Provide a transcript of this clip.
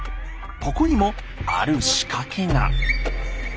ここにもある仕掛けが。